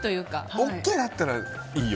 ＯＫだったらいいよ。